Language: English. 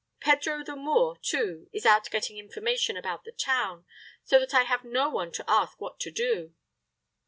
Pedro the Moor, too, is out getting information about the town; so that I have no one to ask what to do."